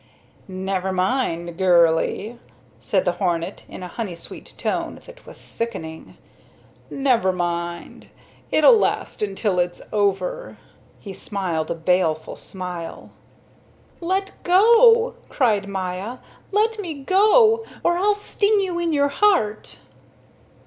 "Never mind, girlie," said the hornet in a honey sweet tone that was sickening. "Never mind. It'll last until it's over." He smiled a baleful smile. "Let go!" cried Maya. "Let me go! Or I'll sting you in your heart."